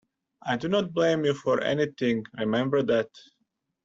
I do not blame you for anything; remember that.